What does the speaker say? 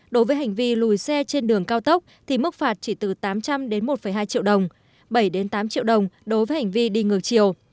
đối với hành vi lùi xe trên đường cao tốc thì mức phạt chỉ từ tám trăm linh đến một hai triệu đồng bảy tám triệu đồng đối với hành vi đi ngược chiều